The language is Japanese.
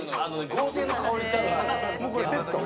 豪邸の香りってあるんですよ。